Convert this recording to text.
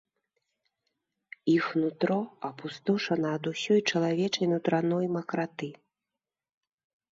Іх нутро апустошана ад усёй чалавечай нутраной макраты.